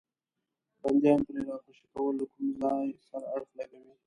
بندیان پرې راخوشي کول له کوم ځای سره اړخ لګوي.